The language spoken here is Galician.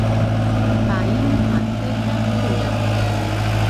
Paíño Maceira, Julio.